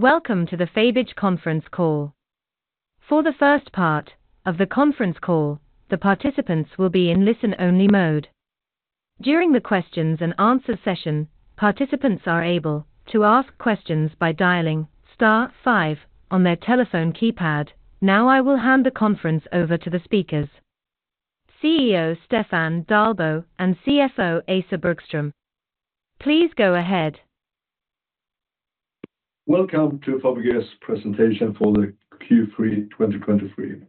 Welcome to the Fabege conference call. For the first part of the conference call, the participants will be in listen-only mode. During the questions and answer session, participants are able to ask questions by dialing star five on their telephone keypad. Now, I will hand the conference over to the speakers, CEO Stefan Dahlbo and CFO Åsa Bergström. Please go ahead. Welcome to Fabege's presentation for the Q3 2023.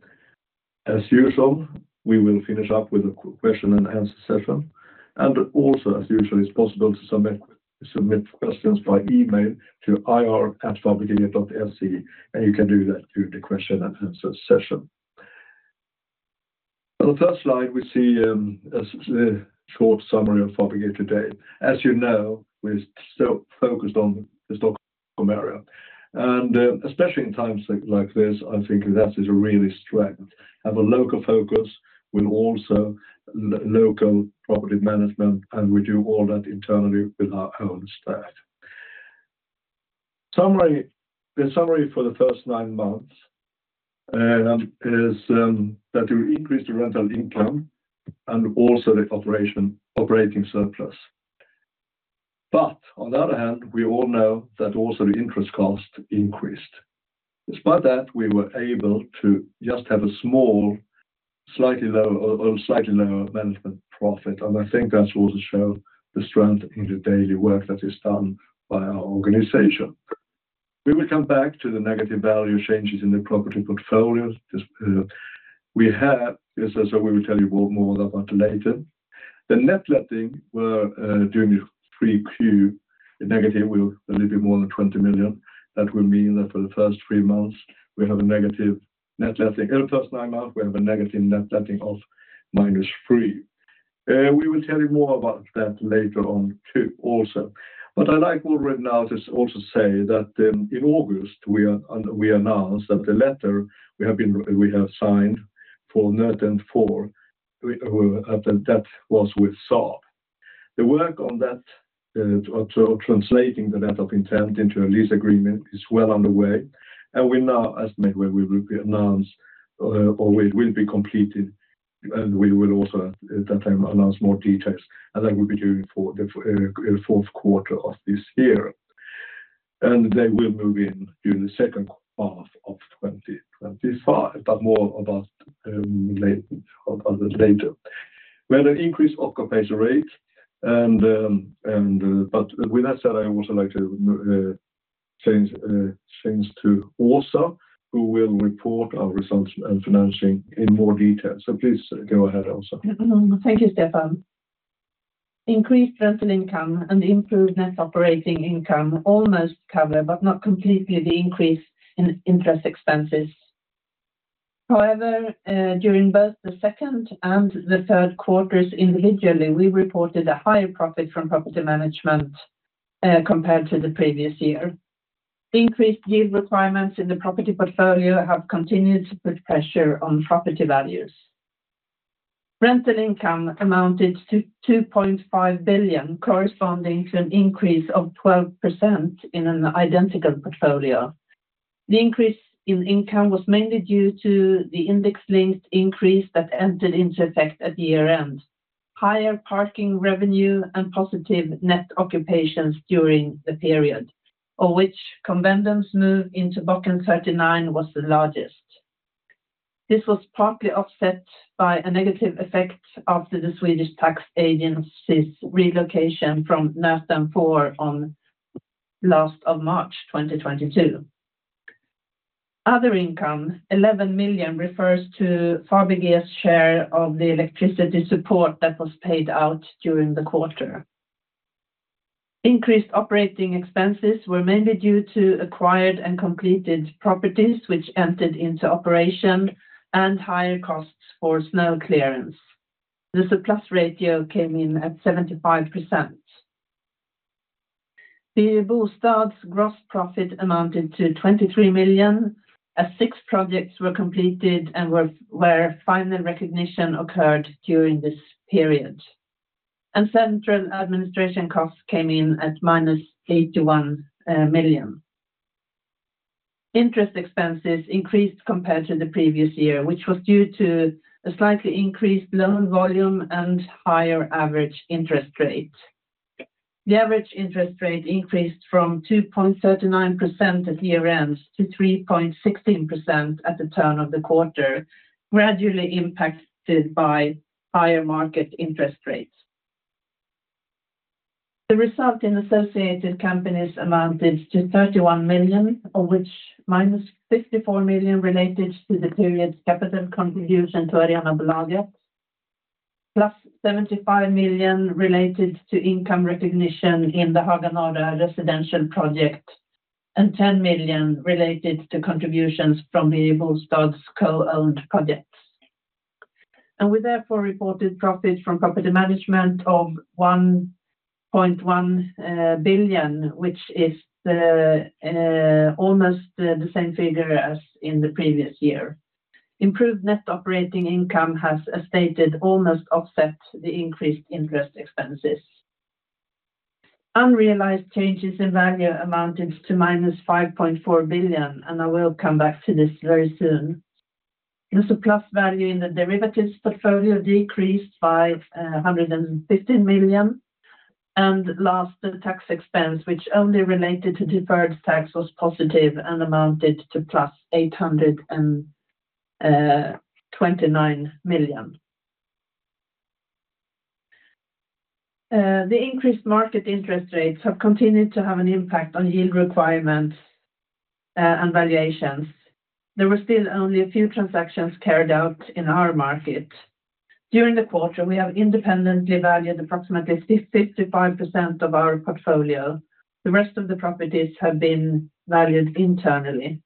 As usual, we will finish up with a question and answer session, and also, as usual, it's possible to submit questions by email to ir@fabege.se, and you can do that during the question and answer session. On the first slide, we see a short summary of Fabege today. As you know, we're still focused on the Stockholm area, and especially in times like this, I think that is a really strength. Have a local focus with also local property management, and we do all that internally with our own staff. The summary for the first nine months is that we increased the rental income and also the operating surplus. But on the other hand, we all know that also the interest cost increased. Despite that, we were able to just have a small, slightly lower, slightly lower management profit, and I think that also show the strength in the daily work that is done by our organization. We will come back to the negative value changes in the property portfolios, just, we have, as I said, we will tell you more, more about later. The net letting, during the Q3, the negative will a little bit more than 20 million. That will mean that for the first three months, we have a negative net letting. In the first nine months, we have a negative net letting of -3 million. We will tell you more about that later on, too, also. But I like will right now just also say that, in August, we are... We announced that the letter we have signed for Nöten 4, that was with Saab. The work on that to translating the letter of intent into a lease agreement is well underway, and we now estimate where we will be announced or it will be completed, and we will also at that time announce more details, and that will be during the fourth quarter of this year. They will move in during the second half of 2025, but more about later, later. We had an increased occupancy rate and, and... With that said, I also like to change to Åsa, who will report our results and financing in more detail. So please go ahead, Åsa. Thank you, Stefan. Increased rental income and improved net operating income almost cover, but not completely the increase in interest expenses. However, during both the second and the third quarters, individually, we reported a higher profit from property management, compared to the previous year. Increased yield requirements in the property portfolio have continued to put pressure on property values. Rental income amounted to 2.5 billion, corresponding to an increase of 12% in an identical portfolio. The increase in income was mainly due to the index-linked increase that entered into effect at year-end, higher parking revenue and positive net letting during the period, of which Convendum's move into Bocken 39 was the largest. This was partly offset by a negative effect after the Swedish Tax Agency's relocation from Nöten 4 on end of March 2022. Other income, 11 million, refers to Fabege's share of the electricity support that was paid out during the quarter. Increased operating expenses were mainly due to acquired and completed properties, which entered into operation and higher costs for snow clearance. The surplus ratio came in at 75%. The Bostads gross profit amounted to 23 million, as six projects were completed and where final recognition occurred during this period, and central administration costs came in at -81 million. Interest expenses increased compared to the previous year, which was due to a slightly increased loan volume and higher average interest rate. The average interest rate increased from 2.39% at year-end to 3.16% at the turn of the quarter, gradually impacted by higher market interest rates. The result in associated companies amounted to 31 million, of which -54 million related to the period's capital contribution to Arenabolaget, +75 million related to income recognition in the Haga Norra residential project, and 10 million related to contributions from the Bostads co-owned projects. We therefore reported profit from property management of 1.1 billion, which is almost the same figure as in the previous year. Improved net operating income has, as stated, almost offset the increased interest expenses. Unrealized changes in value amounted to -5.4 billion, and I will come back to this very soon. The surplus value in the derivatives portfolio decreased by 115 million, and last, the tax expense, which only related to deferred tax, was positive and amounted to +829 million. The increased market interest rates have continued to have an impact on yield requirements and valuations. There were still only a few transactions carried out in our market. During the quarter, we have independently valued approximately 55% of our portfolio. The rest of the properties have been valued internally.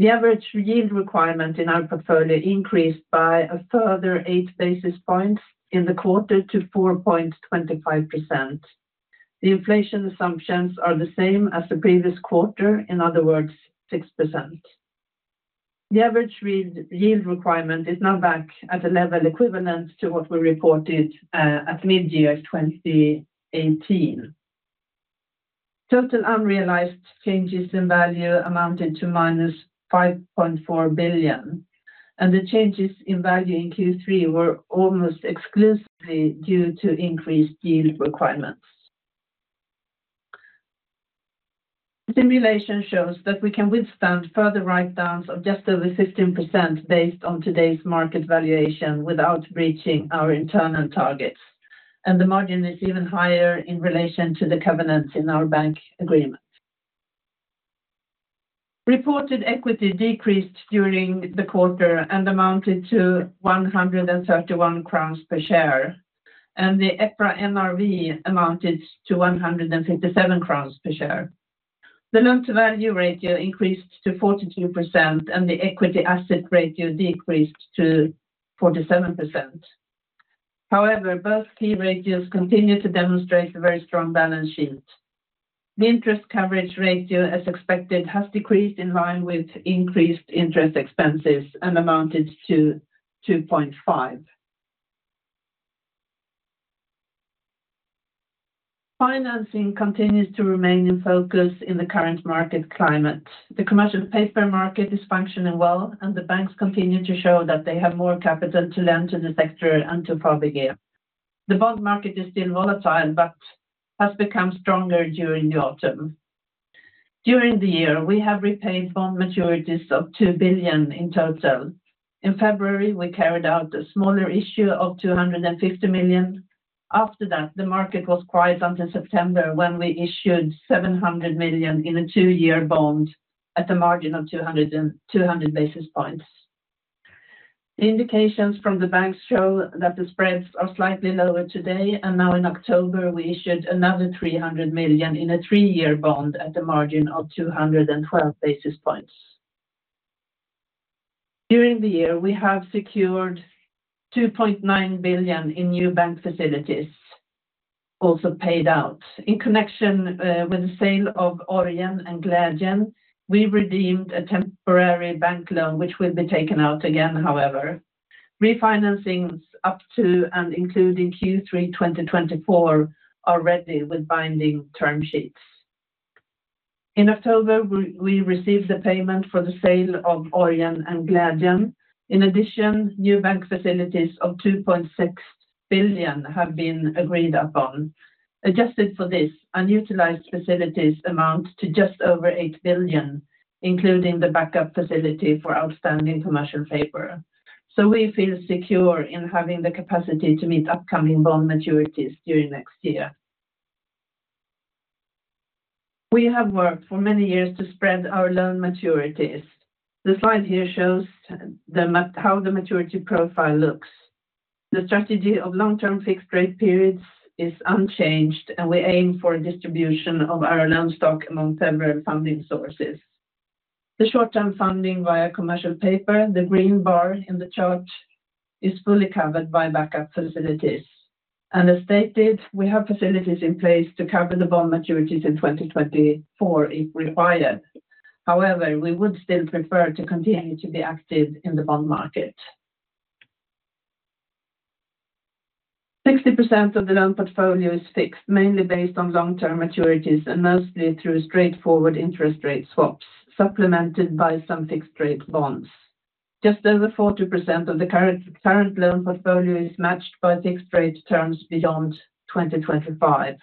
The average yield requirement in our portfolio increased by a further 8 basis points in the quarter to 4.25%. The inflation assumptions are the same as the previous quarter, in other words, 6%. The average yield requirement is now back at a level equivalent to what we reported at mid-year 2018. Total unrealized changes in value amounted to -5.4 billion, and the changes in value in Q3 were almost exclusively due to increased yield requirements. Simulation shows that we can withstand further write-downs of just over 15% based on today's market valuation without breaching our internal targets, and the margin is even higher in relation to the covenants in our bank agreement. Reported equity decreased during the quarter and amounted to 131 crowns per share, and the EPRA NRV amounted to 157 crowns per share. The loan-to-value ratio increased to 42%, and the equity/asset ratio decreased to 47%. However, both key ratios continue to demonstrate a very strong balance sheet. The interest coverage ratio, as expected, has decreased in line with increased interest expenses and amounted to 2.5. Financing continues to remain in focus in the current market climate. The commercial paper market is functioning well, and the banks continue to show that they have more capital to lend to the sector and to provide again. The bond market is still volatile but has become stronger during the autumn. During the year, we have repaid bond maturities of 2 billion in total. In February, we carried out a smaller issue of 250 million. After that, the market was quiet until September, when we issued 700 million in a 2-year bond at a margin of 202 basis points. The indications from the banks show that the spreads are slightly lower today, and now in October, we issued another 300 million in a 3-year bond at a margin of 212 basis points. During the year, we have secured 2.9 billion in new bank facilities, also paid out. In connection with the sale of Orion and Glädjen, we redeemed a temporary bank loan, which will be taken out again, however. Refinancings up to and including Q3 2024 are ready with binding term sheets. In October, we received the payment for the sale of Orion and Glädjen. In addition, new bank facilities of 2.6 billion have been agreed upon. Adjusted for this, unutilized facilities amount to just over 8 billion, including the backup facility for outstanding commercial paper. So we feel secure in having the capacity to meet upcoming bond maturities during next year. We have worked for many years to spread our loan maturities. The slide here shows how the maturity profile looks. The strategy of long-term fixed-rate periods is unchanged, and we aim for a distribution of our loan stock among several funding sources. The short-term funding via commercial paper, the green bar in the chart, is fully covered by backup facilities. As stated, we have facilities in place to cover the bond maturities in 2024 if required. However, we would still prefer to continue to be active in the bond market. 60% of the loan portfolio is fixed, mainly based on long-term maturities and mostly through straightforward interest rate swaps, supplemented by some fixed-rate bonds. Just over 40% of the current loan portfolio is matched by fixed-rate terms beyond 2025.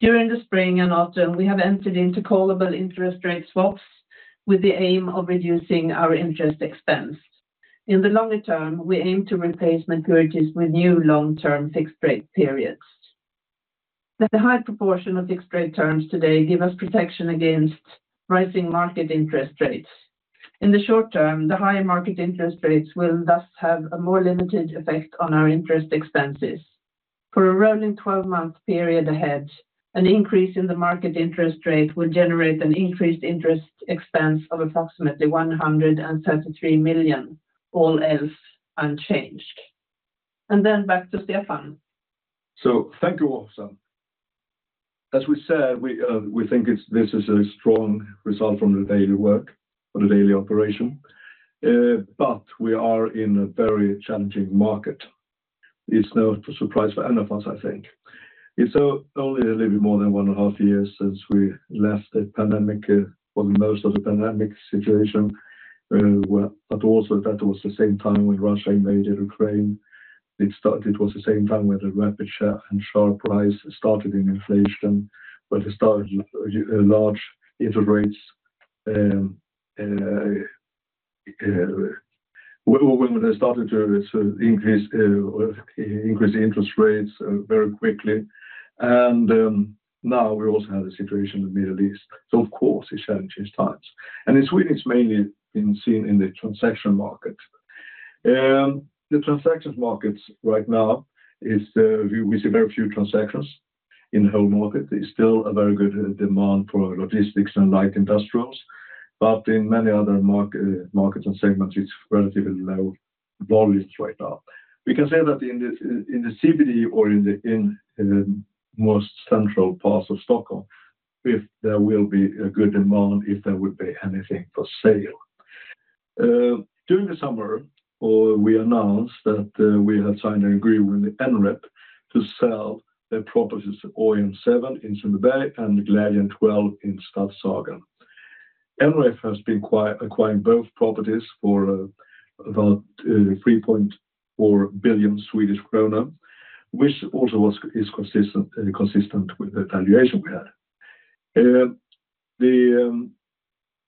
During the spring and autumn, we have entered into callable interest rate swaps with the aim of reducing our interest expense. In the longer term, we aim to replace maturities with new long-term fixed-rate periods. The high proportion of fixed-rate terms today give us protection against rising market interest rates. In the short term, the higher market interest rates will thus have a more limited effect on our interest expenses. For a rolling twelve-month period ahead, an increase in the market interest rate will generate an increased interest expense of approximately 133 million, all else unchanged. Then back to Stefan. So thank you, Åsa. As we said, we think this is a strong result from the daily work or the daily operation. But we are in a very challenging market. It's no surprise for any of us, I think. It's only a little bit more than 1.5 years since we left the pandemic, or the most of the pandemic situation. But also that was the same time when Russia invaded Ukraine. It was the same time when the rapid surge and sharp rise started in inflation, when they started to increase the interest rates very quickly. And now we also have the situation in the Middle East. So, of course, it's challenging times. And in Sweden, it's mainly been seen in the transaction market. The transaction markets right now is, we see very few transactions in the whole market. There's still a very good demand for logistics and light industrials, but in many other markets and segments, it's relatively low volumes right now. We can say that in the CBD or in the most central parts of Stockholm, if there will be a good amount, if there would be anything for sale. During the summer, we announced that we had signed an agreement with NREP to sell their properties, Orion 7 in Sundbyberg and Glädjen 12 in Stadshagen. NREP has been acquiring both properties for about 3.4 billion Swedish kronor, which also is consistent with the valuation we had. The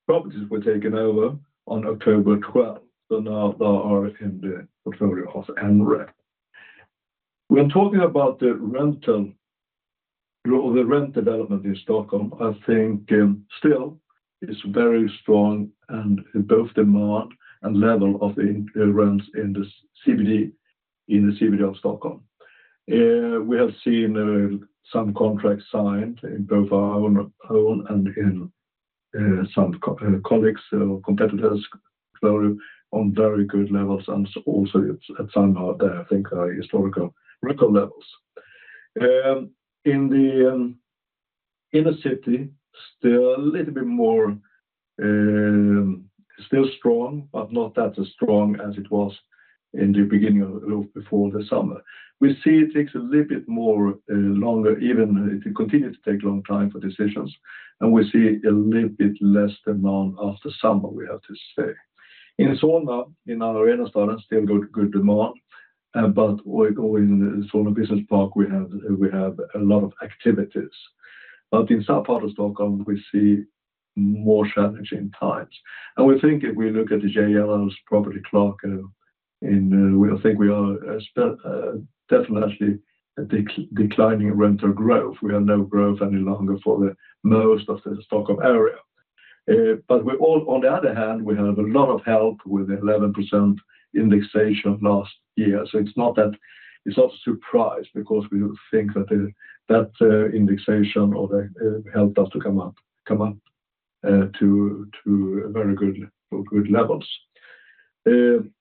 properties were taken over on October 12, so now they are in the portfolio of NREP. When talking about the rental growth—the rent development in Stockholm, I think, still is very strong and both demand and level of the rents in the CBD, in the CBD of Stockholm. We have seen some contracts signed in both our own and in some colleagues, competitors' portfolio on very good levels and also at some, I think, historical record levels. In the inner city, still a little bit more, still strong, but not that as strong as it was in the beginning of before the summer. We see it takes a little bit more longer, even it continue to take long time for decisions, and we see a little bit less demand after summer, we have to say. In Solna, in our Arenastaden, still good, good demand, but we're going Solna Business Park, we have, we have a lot of activities. But in some part of Stockholm, we see more challenging times. And we think if we look at the JLL's property clock, in, we think we are, definitely actually declining rental growth. We are no growth any longer for the most of the Stockholm area. But on the other hand, we have a lot of help with 11% indexation last year. So it's not that. It's not surprise because we think that the indexation or the helped us to come up to very good levels.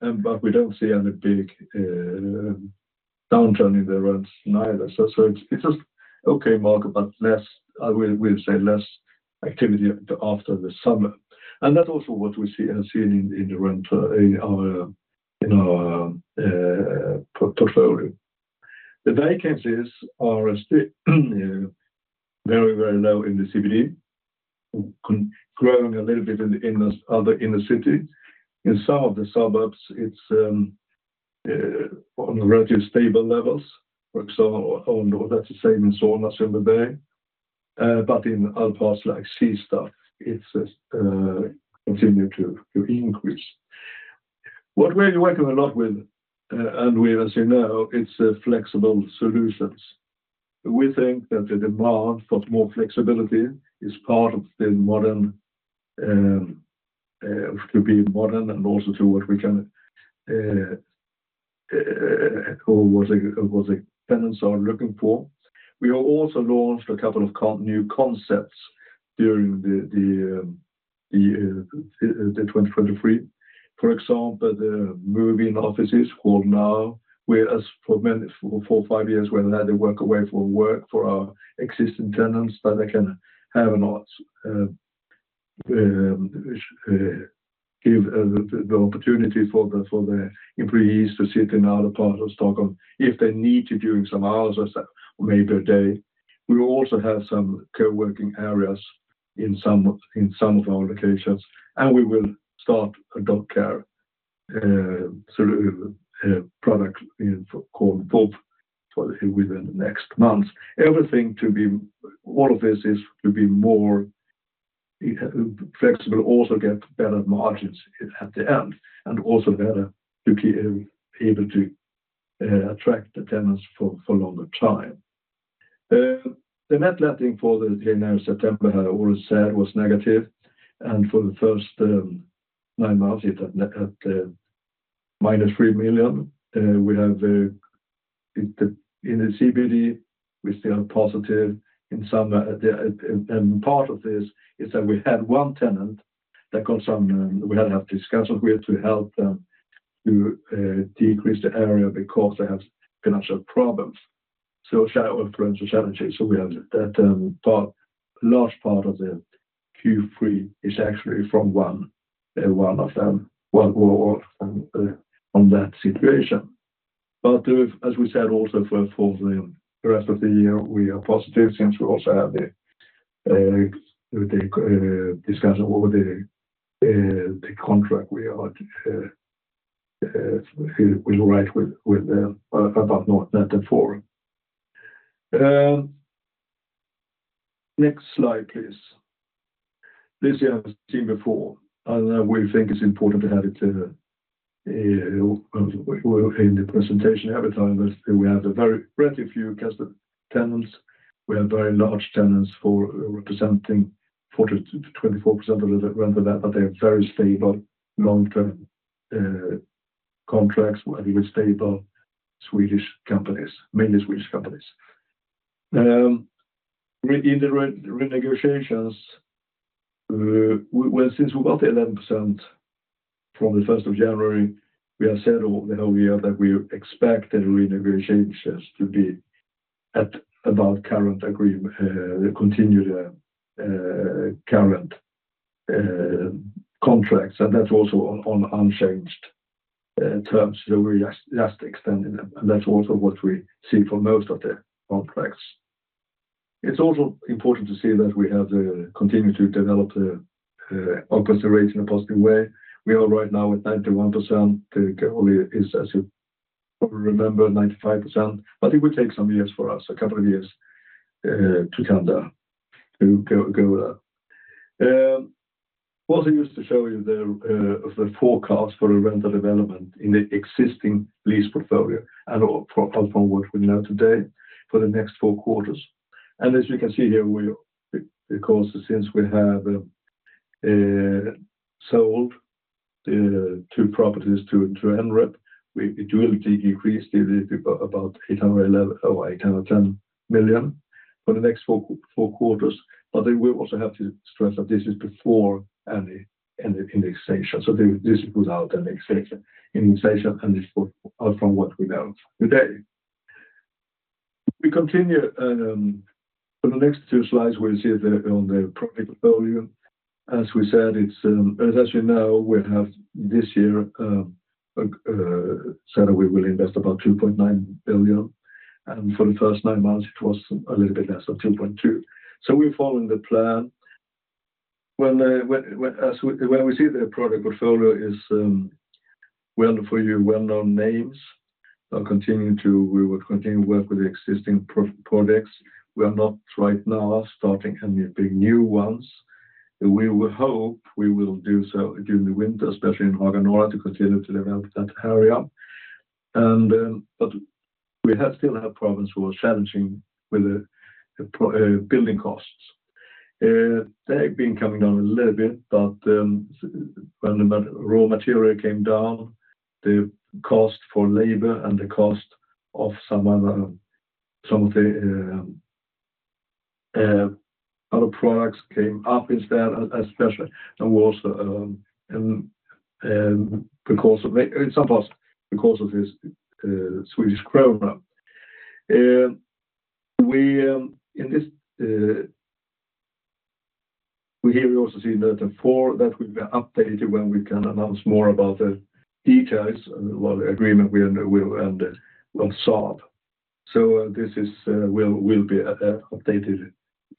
But we don't see any big downturn in the rents neither. So it's just okay market, but less, I will say less activity after the summer. And that's also what we see and seen in the rent in our portfolio. The vacancies are still very low in the CBD, growing a little bit in the city. In some of the suburbs, it's on a relatively stable levels. For example, that's the same in Solna, Sundbyberg, but in other parts like Söderort, it's continue to increase. What we're working a lot with, as you know, it's a flexible solutions. We think that the demand for more flexibility is part of the modern to be modern and also to what we can or what the tenants are looking for. We have also launched a couple of new concepts during 2023. For example, the moving offices called WAW, where for four, five years, we had to work away from work for our existing tenants, that they can have and give the opportunity for the employees to sit in other parts of Stockholm if they need to, during some hours or so, maybe a day. We also have some co-working areas in some of, in some of our locations, and we will start a dog care, sort of, product called VOV for within the next month. All of this is to be more flexible, also get better margins at the end, and also better to able to attract the tenants for, for longer time. The net letting for the September had all said was negative, and for the first nine months, it at minus 3 million. We have, in the, in the CBD, we still have positive in some, and, and part of this is that we had one tenant that got some, we had have discussions with to help them to decrease the area because they have financial problems. So financial challenges, so we have that, but large part of the Q3 is actually from one of them who work on that situation. But as we said, also for the rest of the year, we are positive since we also have the discussion over the contract we will write with about Nöten 4. Next slide, please. This you have seen before, and we think it's important to have it in the presentation every time, but we have a very pretty few customer tenants. We have very large tenants for representing 40%-24% of the rental land, but they are very stable, long-term contracts with stable Swedish companies, mainly Swedish companies. In the renegotiations, well, since we got the 11% from the first of January, we have said over the year that we expect the renegotiations to be at about current agreement, continue the current contracts, and that's also on unchanged terms. So we're just extending them, and that's also what we see for most of the contracts. It's also important to see that we have continued to develop the occupancy rate in a positive way. We are right now at 91%. The goal is, as you probably remember, 95%, but it will take some years for us, a couple of years, to come there, to go there. Also used to show you the forecast for the rental development in the existing lease portfolio and from what we know today for the next four quarters. As you can see here, we, because since we have sold two properties to NREP, it will decrease about 811 million or 810 million for the next four quarters, but they will also have to stress that this is before any indexation. So this is without indexation, and this is from what we know today. We continue for the next two slides, we'll see on the project portfolio. As we said, it's as you know, we have this year said we will invest about 2.9 billion, and for the first nine months, it was a little bit less than 2.2 billion. So we're following the plan. When we see the project portfolio is, well, for you, well-known names, we will continue to work with the existing projects. We are not right now starting any big new ones. We would hope we will do so during the winter, especially in Haga Norra, to continue to develop that area. But we still have problems with the challenging building costs. They've been coming down a little bit, but when the raw material came down, the cost for labor and the cost of some other, some of the other products came up instead, especially and was because of - in some parts, because of this Swedish krona. We in this... We here we also see that the Nöten 4 that we've been updated, when we can announce more about the details, well, the agreement we, we and we'll solve. So this is will be updated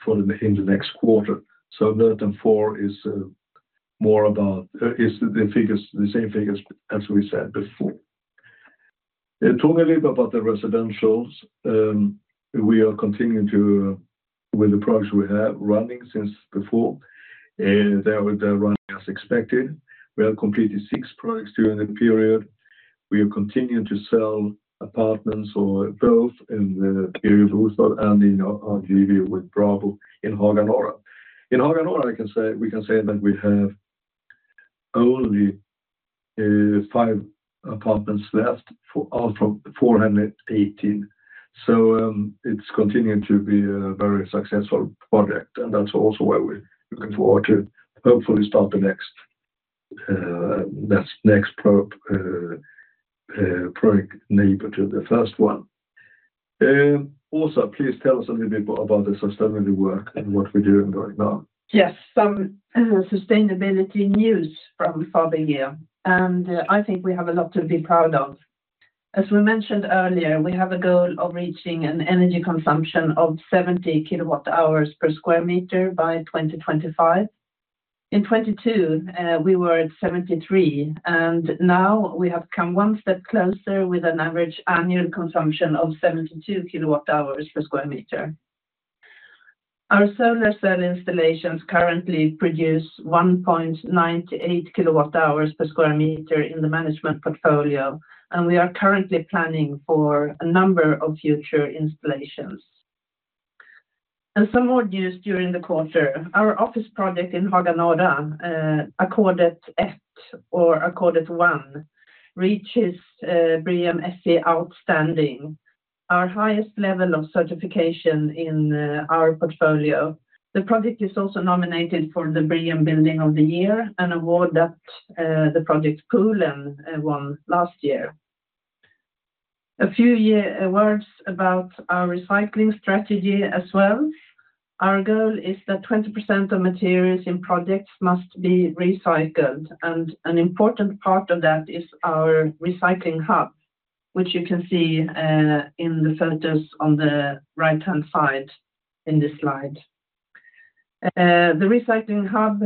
for the in the next quarter. So Nöten 4 is more about is the figures, the same figures as we said before. Talk a little about the residentials. We are continuing to with the projects we have running since before, they are running as expected. We have completed six projects during the period. We are continuing to sell apartments in both our project in Solna and in our JV with Bonava in Haga Norra. In Haga Norra, we have only five apartments left out of 418. So, it's continuing to be a very successful project, and that's also why we're looking forward to hopefully start the next project neighbor to the first one. Åsa, please tell us a little bit about the sustainability work and what we're doing right now. Yes, some sustainability news from Fabege, and I think we have a lot to be proud of. As we mentioned earlier, we have a goal of reaching an energy consumption of 70 kWh per sq m by 2025. In 2022, we were at 73, and now we have come one step closer with an average annual consumption of 72 kWh per sq m. Our solar cell installations currently produce 1.98 kWh per sq m in the management portfolio, and we are currently planning for a number of future installations. And some more news during the quarter, our office project in Haga Norra, Ackordet Ett or Ackordet 1, reaches BREEAM-SE Outstanding. Our highest level of certification in our portfolio. The project is also nominated for the Brilliant Building of the Year, an award that the project Poolen won last year. A few words about our recycling strategy as well. Our goal is that 20% of materials in projects must be recycled, and an important part of that is our recycling hub, which you can see in the photos on the right-hand side in this slide. The recycling hub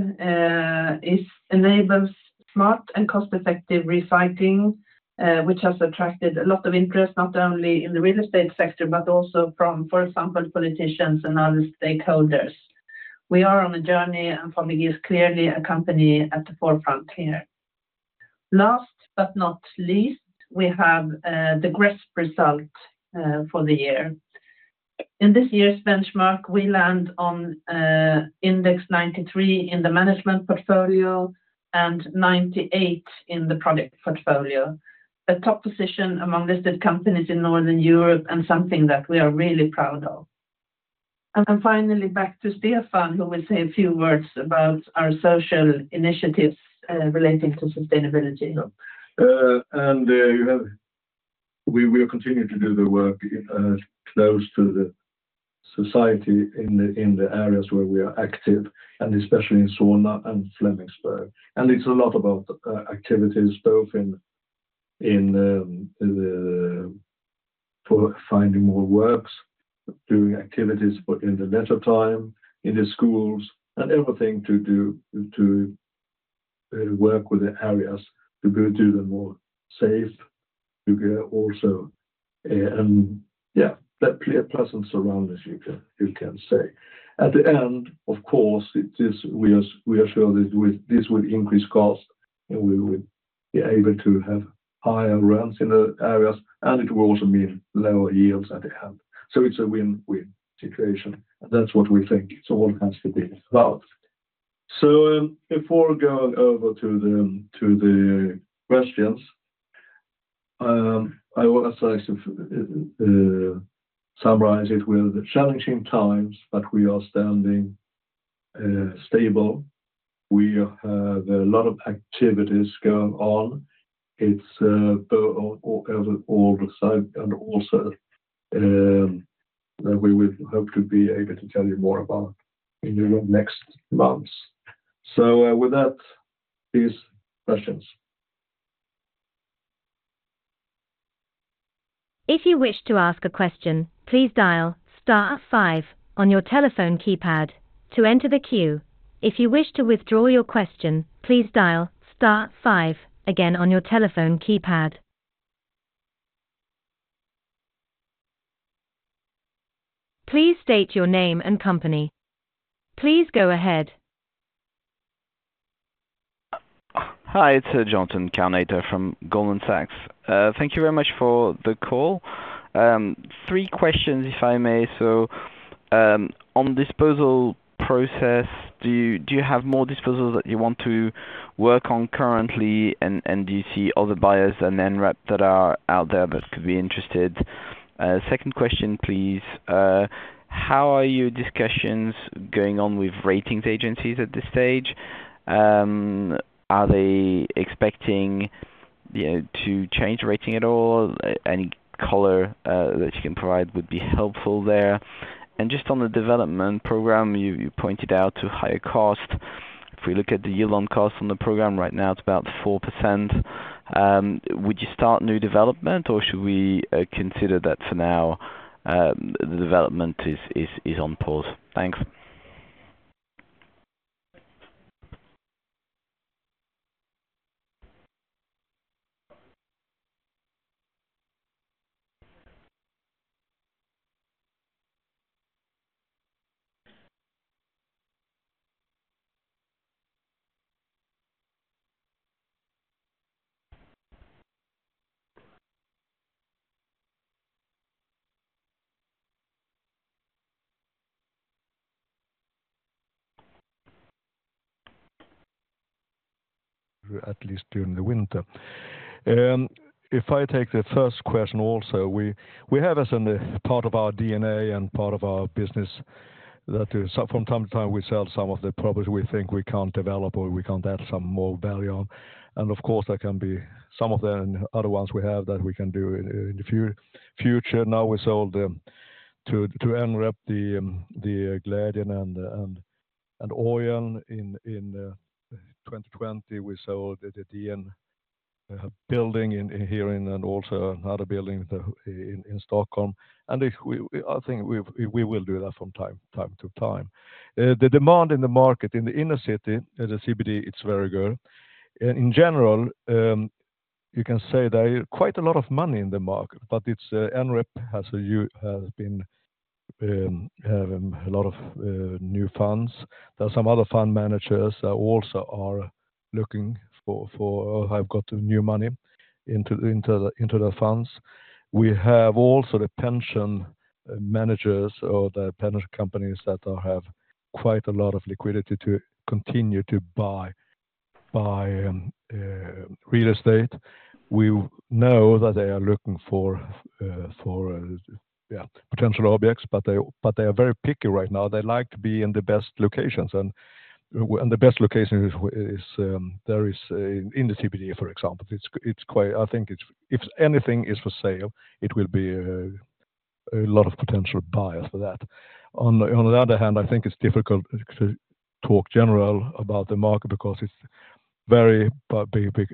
is enables smart and cost-effective recycling, which has attracted a lot of interest, not only in the real estate sector, but also from, for example, politicians and other stakeholders. We are on a journey, and for me, is clearly a company at the forefront here. Last but not least, we have the GRESB result for the year. In this year's benchmark, we land on index 93 in the management portfolio and 98 in the product portfolio. A top position among listed companies in Northern Europe and something that we are really proud of. And then finally, back to Stefan, who will say a few words about our social initiatives relating to sustainability. We will continue to do the work close to the society in the areas where we are active, and especially in Solna and Flemingsberg. It's a lot about activities, both in for finding more works, doing activities, but in the leisure time, in the schools, and everything to do, to work with the areas, to go to the more safe, to go also, and yeah, that pleasant surroundings, you can, you can say. At the end, of course, it is we are, we are sure this will, this will increase cost, and we will be able to have higher rents in the areas, and it will also mean lower yields at the end. So it's a win-win situation, and that's what we think. So what has to be well? So, before going over to the, to the questions, I would like to summarize it with challenging times, but we are standing stable. We have a lot of activities going on. It's both on all the side, and also, that we would hope to be able to tell you more about in the next months. So, with that, please, questions. If you wish to ask a question, please dial star five on your telephone keypad to enter the queue. If you wish to withdraw your question, please dial star five again on your telephone keypad. Please state your name and company. Please go ahead. Hi, it's Jonathan Kownator from Goldman Sachs. Thank you very much for the call. Three questions, if I may. So, on disposal process, do you, do you have more disposals that you want to work on currently? And, and do you see other buyers and NREP that are out there that could be interested? Second question, please. How are your discussions going on with ratings agencies at this stage? Are they expecting, you know, to change rating at all? Any color that you can provide would be helpful there. And just on the development program, you, you pointed out to higher cost. If we look at the yield on cost on the program, right now, it's about 4%. Would you start new development, or should we consider that for now, the development is, is, is on pause? Thanks. At least during the winter. If I take the first question also, we have as in the part of our DNA and part of our business, that is, from time to time, we sell some of the properties we think we can't develop, or we can't add some more value on. And of course, there can be some of the other ones we have that we can do in the future. Now, we sold to NREP the Glädjen and Orion in 2020. We sold the DN building in here and also another building in Stockholm. And if we, I think we will do that from time to time. The demand in the market, in the inner city, at the CBD, it's very good. In general, you can say there is quite a lot of money in the market, but it's NREP has been having a lot of new funds. There are some other fund managers that also are looking for have got new money into the funds. We have also the pension managers or the pension companies that have quite a lot of liquidity to continue to buy by real estate. We know that they are looking for potential objects, but they are very picky right now. They like to be in the best locations, and the best location is there is a in the CBD, for example. It's quite. I think if anything is for sale, it will be a lot of potential buyers for that. On the other hand, I think it's difficult to talk generally about the market because it's very, but big, big,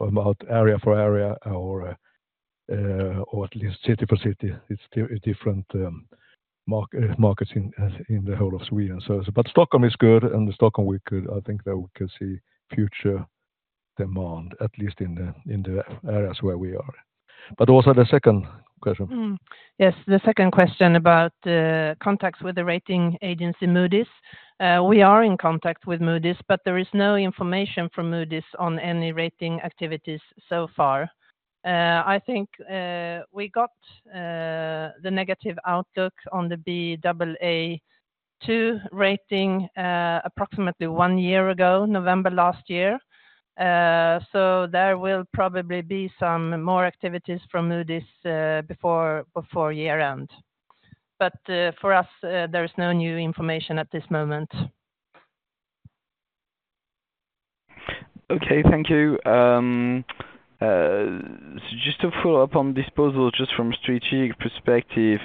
about area for area or, or at least city per city. It's still a different market, markets in, in the whole of Sweden. So, but Stockholm is good, and Stockholm we could, I think that we could see future demand, at least in the, in the areas where we are. But also the second question. Mm. Yes, the second question about, contacts with the rating agency, Moody's. We are in contact with Moody's, but there is no information from Moody's on any rating activities so far. I think, we got, the negative outlook on the Baa2 rating, approximately one year ago, November last year. So there will probably be some more activities from Moody's, before, before year-end. But, for us, there is no new information at this moment. Okay, thank you. So just to follow up on disposal, just from strategic perspective,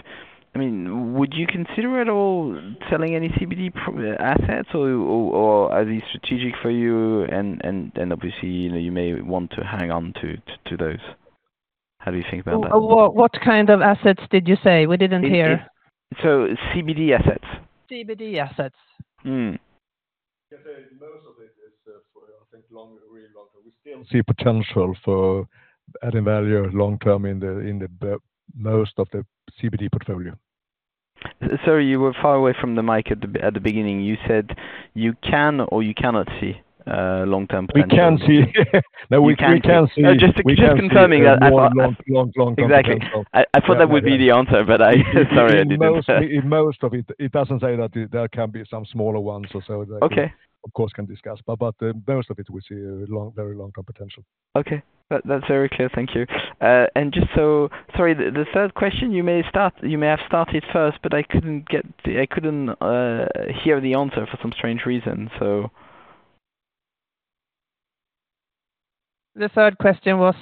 I mean, would you consider at all selling any CBD property assets, or, or, or are they strategic for you, and, and, and obviously, you know, you may want to hang on to, to, to those? How do you think about that? What, what kind of assets did you say? We didn't hear. So CBD assets. CBD assets. Mm. Yeah, most of it is for, I think, long, really long term. We still see potential for adding value long term in the most of the CBD portfolio. Sorry, you were far away from the mic at the beginning. You said you can or you cannot see long-term potential? We can see. Just, just confirming that. Long, long, long potential. Exactly. I thought that would be the answer, but sorry, I didn't- In most of it, it doesn't say that there can be some smaller ones or so- Okay. Of course, can discuss, but most of it we see a long, very long potential. Okay, that, that's very clear. Thank you. And just so... Sorry, the third question you may start, you may have started first, but I couldn't hear the answer for some strange reason, so. The third question was?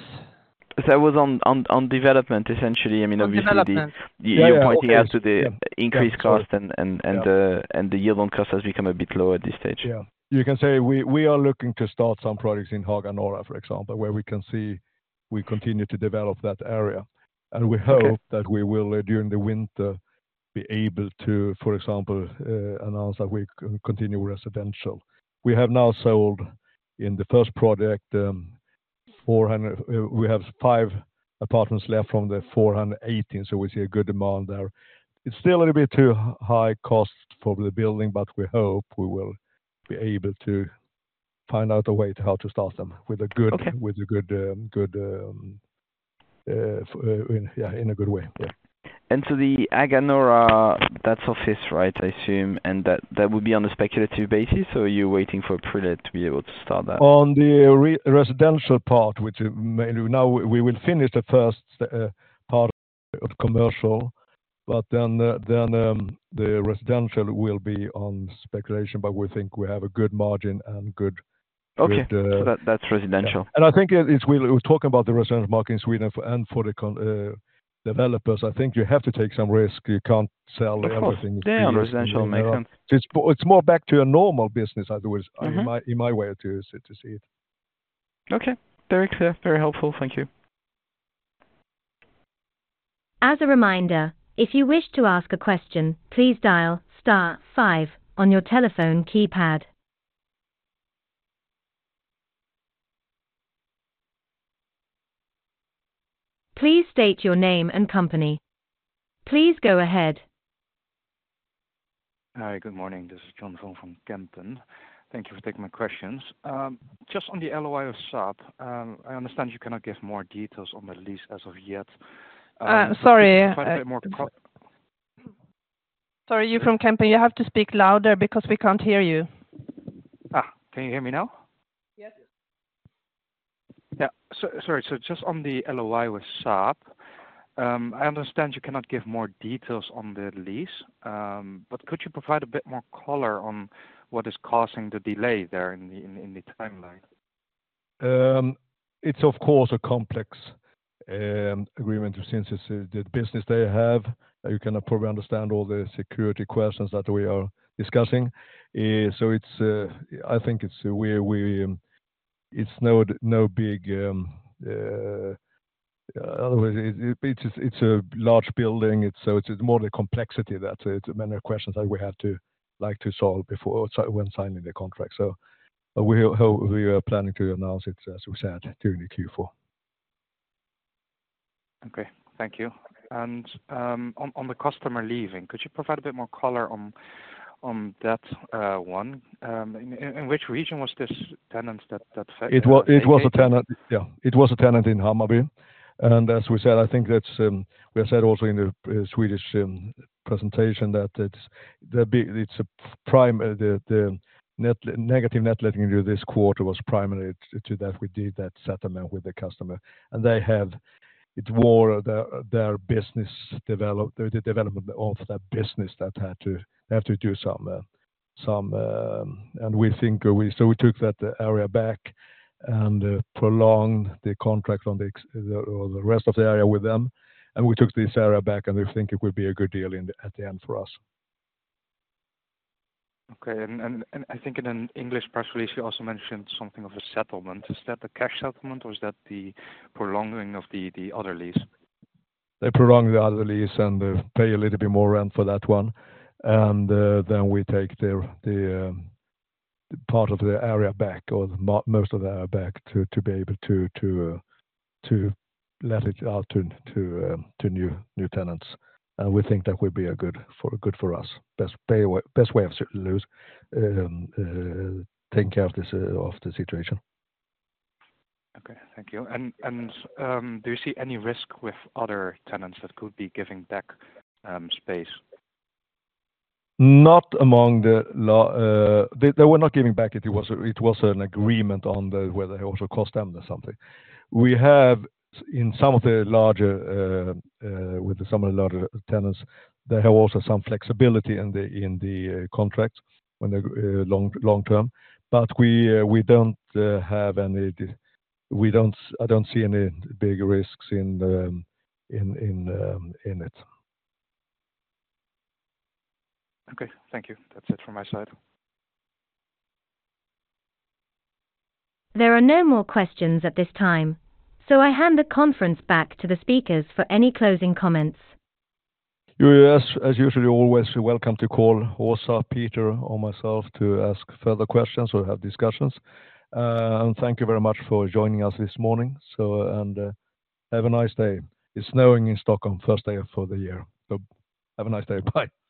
That was on development, essentially. I mean, obviously- On development. You're pointing out to the increased cost- Yeah. The yield on cost has become a bit lower at this stage. Yeah. You can say we are looking to start some projects in Haga Norra, for example, where we can see we continue to develop that area. Okay. We hope that we will, during the winter, be able to, for example, announce that we continue residential. We have now sold in the first project, 400, we have 5 apartments left from the 418, so we see a good demand there. It's still a little bit too high cost for the building, but we hope we will be able to find out a way to how to start them- Okay. with a good, yeah, in a good way. Yeah. So the Haga Norra, that's office, right, I assume, and that, that would be on a speculative basis, or are you waiting for pre-let to be able to start that? On the residential part, which is mainly now, we will finish the first part of commercial, but then the residential will be on speculation, but we think we have a good margin and good- Okay. -with the- So that's, that's residential. I think it's we talk about the residential market in Sweden for and for the construction developers. I think you have to take some risk. You can't sell everything. Of course. Yeah, on residential it makes sense. It's more back to a normal business, otherwise- Mm-hmm. in my way to see it. Okay. Very clear. Very helpful. Thank you. As a reminder, if you wish to ask a question, please dial star five on your telephone keypad. Please state your name and company. Please go ahead. Hi, good morning. This is John Vuong from Kempen. Thank you for taking my questions. Just on the LOI of Saab, I understand you cannot give more details on the lease as of yet. Uh, sorry. Provide a bit more co- Sorry, you from Kempen, you have to speak louder because we can't hear you. Ah! Can you hear me now? Yes. Yeah. So sorry, so just on the LOI with Saab, I understand you cannot give more details on the lease. But could you provide a bit more color on what is causing the delay there in the timeline? It's of course a complex agreement since it's the business they have. You cannot probably understand all the security questions that we are discussing. So it's, I think it's no big. It's a large building, so it's more the complexity that many questions that we have to like to solve before or when signing the contract. So we hope we are planning to announce it, as we said, during the Q4. Okay. Thank you. And on the customer leaving, could you provide a bit more color on... On that one, in which region was this tenant that said- It was, it was a tenant. Yeah, it was a tenant in Hammarby. And as we said, I think that's, we have said also in the Swedish presentation, that it's, it's a prime, the net negative net letting in this quarter was primarily to that we did that settlement with the customer. And they have. It's more of the, their business develop, the development of that business that had to, they have to do some. So we took that area back and prolonged the contract on the, or the rest of the area with them, and we took this area back, and we think it will be a good deal in the, at the end for us. Okay. And I think in an English press release, you also mentioned something of a settlement. Is that the cash settlement or is that the prolonging of the other lease? They prolong the other lease and pay a little bit more rent for that one. And then we take the part of the area back or most of the area back to be able to let it out to new tenants. And we think that would be good for us. Best way of certainly losing, taking care of this situation. Okay, thank you. And, do you see any risk with other tenants that could be giving back space? Not among the larger, they were not giving back. It was an agreement on the where they also cost them or something. We have in some of the larger with some of the larger tenants, they have also some flexibility in the contract when they long term. But we, we don't have any, we don't—I don't see any big risks in it. Okay, thank you. That's it from my side. There are no more questions at this time, so I hand the conference back to the speakers for any closing comments. You are, as usual, always welcome to call Åsa, Peter, or myself to ask further questions or have discussions. Thank you very much for joining us this morning. Have a nice day. It's snowing in Stockholm, first day for the year, so have a nice day. Bye.